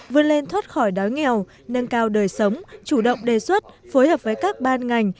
vươn lên thoát khỏi đói nghèo nâng cao đời sống chủ động đề xuất phối hợp với các ban ngành